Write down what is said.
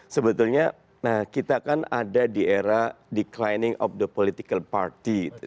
sebetulnya kita kan ada di era declining of the political party